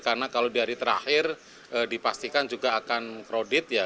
karena kalau di hari terakhir dipastikan juga akan krodit ya